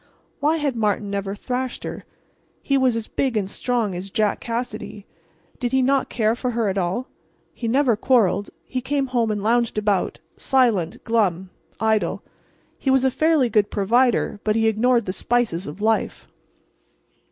Why had Martin never thrashed her? He was as big and strong as Jack Cassidy. Did he not care for her at all? He never quarrelled; he came home and lounged about, silent, glum, idle. He was a fairly good provider, but he ignored the spices of life.